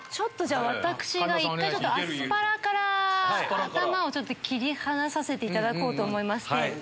私が１回アスパラから頭を切り離させていただこうと思いまして。